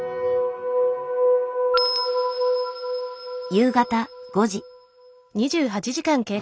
夕方５時。